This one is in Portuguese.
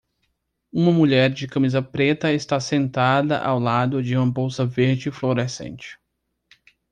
Uma mulher de camisa preta está sentada ao lado de uma bolsa verde fluorescente.